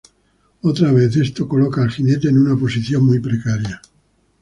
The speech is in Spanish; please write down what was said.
Otra vez, esto coloca al jinete en una posición muy precaria.